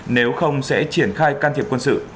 nếu không sẽ triển khai can thiệp quân sự